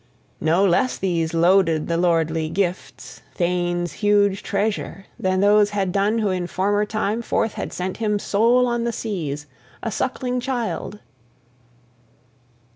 No less these loaded the lordly gifts, thanes' huge treasure, than those had done who in former time forth had sent him sole on the seas, a suckling child.